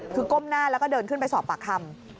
คือก้มหน้าแล้วก็เดินขึ้นไปสอบปากคำ